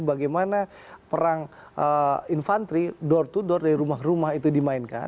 bagaimana perang infanteri door to door dari rumah rumah itu dimainkan